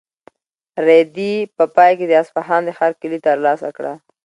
رېدي په پای کې د اصفهان د ښار کیلي ترلاسه کړه.